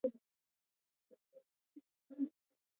وحشي حیوانات د افغانانو ژوند اغېزمن کوي.